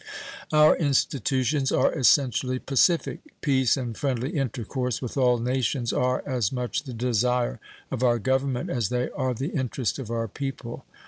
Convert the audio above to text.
Our institutions are essentially pacific. Peace and friendly intercourse with all nations are as much the desire of our Government as they are the interest of our people.